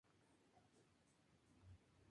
Dejó toda su herencia a su buen amado hermano Marcial